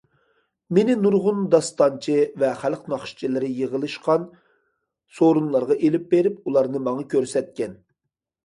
مېنى نۇرغۇن داستانچى ۋە خەلق ناخشىچىلىرى يىغىلىشقان سورۇنلارغا ئېلىپ بېرىپ، ئۇلارنى ماڭا كۆرسەتكەن.